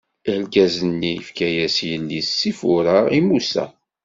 Argaz-nni ifka-as yelli-s Sifura i Musa.